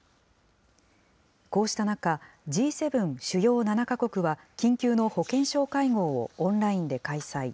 こうした中、Ｇ７・主要７か国は緊急の保健相会合をオンラインで開催。